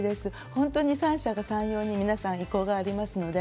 本当に三者三様に皆さん意向がありますので。